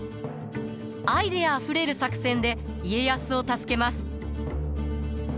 アイデアあふれる作戦で家康を助けます。